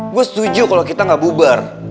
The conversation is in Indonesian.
gue setuju kalau kita gak bubar